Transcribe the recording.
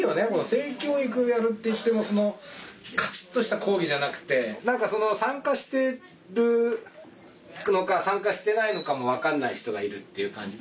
性教育やるっていってもカチっとした講義じゃなくて何か参加してるのか参加してないのかも分かんない人がいるっていう感じ。